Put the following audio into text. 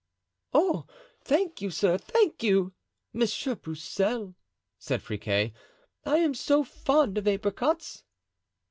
"Oh, thank you, sir, thank you, Monsieur Broussel," said Friquet; "I am so fond of apricots!"